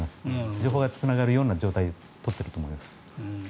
情報がつながるような状態を取っていると思います。